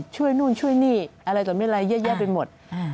ช่วยนู่นช่วยนี่อะไรต่อไม่อะไรเยอะแยะไปหมด